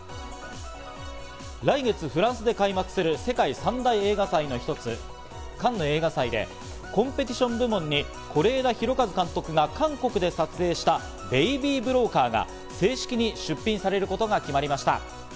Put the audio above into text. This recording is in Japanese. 来月、フランスで開幕する世界三大映画祭の一つ、カンヌ映画祭でコンペティション部門に是枝裕和監督が韓国で撮影した『ベイビー・ブローカー』が正式に出品されることが決まりました。